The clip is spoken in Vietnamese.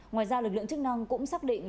ngoài ra lực lượng chức năng cũng xác định